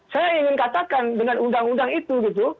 saya ingin katakan dengan undang undang itu gitu